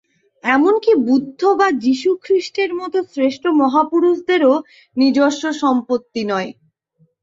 এমন কি বুদ্ধ বা যীশুখ্রীষ্টের মত শ্রেষ্ঠ মহাপুরুষদেরও নিজস্ব সম্পত্তি নয়।